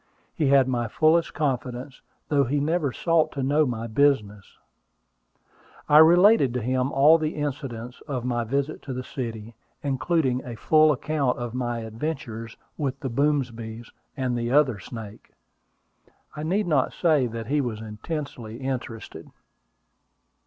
He had my fullest confidence, though he never sought to know my business. I related to him all the incidents of my visit to the city, including a full account of my adventures with the Boomsbys and the other snake. I need not say that he was intensely interested.